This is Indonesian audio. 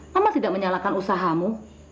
mama tidak menyalahkan usahamu